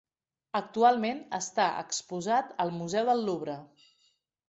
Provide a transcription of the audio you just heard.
Actualment està exposat al Museu del Louvre.